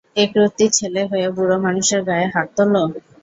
একরত্তি ছেলে হয়ে বুড়োমানুষের গায়ে হাত তোল!